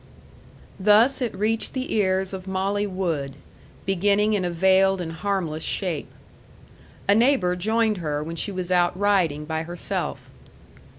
Thus it reached the ears of Molly Wood, beginning in a veiled and harmless shape. A neighbor joined her when she was out riding by herself.